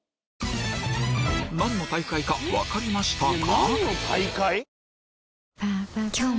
何の大会か分かりましたか？